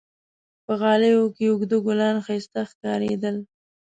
په غالیو کې اوږده ګلان ښایسته ښکارېدل.